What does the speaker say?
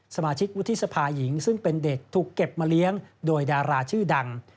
สมาชิกวุฒิสภาหญิงซึ่งเป็นเด็กถูกเก็บมาเลี้ยงโดยดาราชื่อดัง